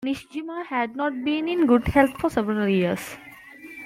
Nishijima had not been in good health for several years.